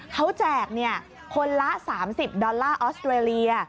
เขาแจกคนละ๓๐ดอลลาร์ออสเตรเลีย